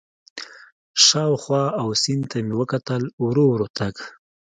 شاوخوا او سیند ته مې وکتل، ورو ورو تګ.